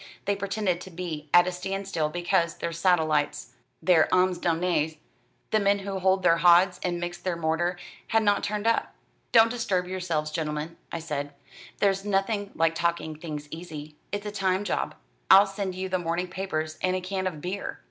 They pretended to be at a standstill because their satellites their âmes damnées, the men who hold their hods and mix their mortar had not turned up. 'Don't disturb yourselves, gentlemen,' I said. 'There's nothing like taking things easy. It's a time job. I'll send you the morning papers and a can of beer.'